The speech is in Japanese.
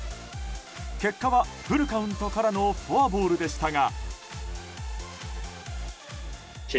結果はフルカウントからのフォアボールでしたが。